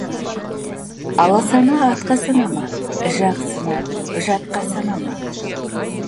Аласаны атқа санама, жақсыны жатқа санама.